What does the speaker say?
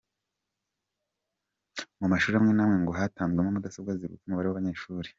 Mu mashuri amwe n’amwe ngo hatanzweho mudasobwa ziruta umubare w’abanyeshuri.